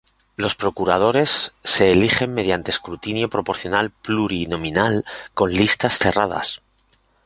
Los procuradores se eligen mediante escrutinio proporcional plurinominal con listas cerradas.